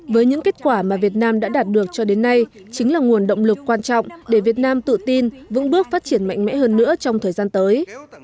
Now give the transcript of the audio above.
với những kết quả mà việt nam đã đạt được cho đến nay chính là nguồn động lực quan trọng để việt nam tự tin vững bước phát triển mạnh mẽ hơn nữa trong thời gian tới